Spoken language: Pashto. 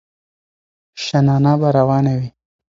شننه به روانه وي.